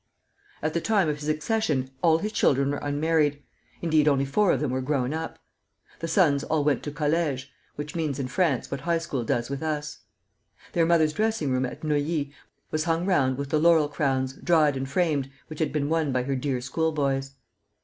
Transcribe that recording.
At the time of his accession all his children were unmarried, indeed, only four of them were grown up. The sons all went to collège, which means in France what high school does with us. Their mother's dressing room at Neuilly was hung round with the laurel crowns, dried and framed, which had been won by her dear school boys.